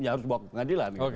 harus dibawa ke pengadilan